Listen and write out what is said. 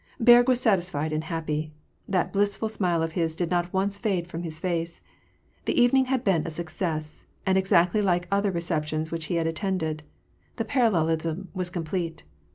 Berg was satisfied and happy. That blissful smile of his did not once fade from his face. The evening had been a success, and exactly like other receptions which he had attended. The parallelism was complete.